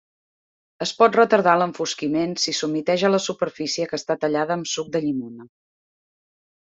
Es pot retardar l'enfosquiment si s'humiteja la superfície que està tallada amb suc de llimona.